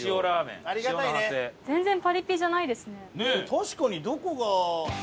確かにどこが？